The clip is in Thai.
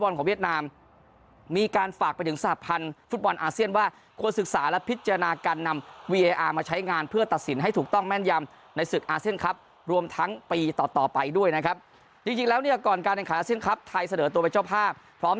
จริงแล้วก่อนการในขาราชินครับไทยเสด็จตัวไปเจ้าภาพพร้อม